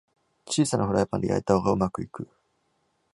小さなフライパンで焼いた方がうまくいく